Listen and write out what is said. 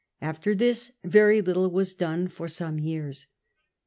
After this very little was done for some years.